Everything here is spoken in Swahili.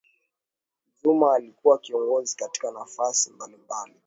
zuma alikuwa kiongozi katika nafasi mbalimbali